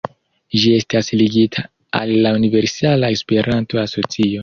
Ĝi estas ligita al la Universala Esperanto-Asocio.